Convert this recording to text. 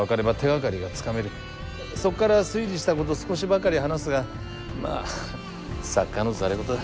そこから推理したことを少しばかり話すがまあ作家のざれ言だ。